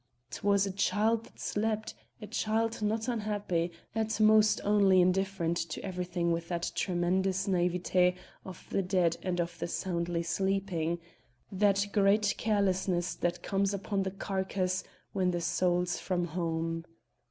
'Twas a child that slept a child not unhappy, at most only indifferent to everything with that tremendous naïveté of the dead and of the soundly sleeping that great carelessness that comes upon the carcass when the soul's from home.